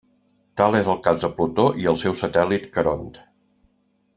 Tal és el cas de Plutó i el seu satèl·lit Caront.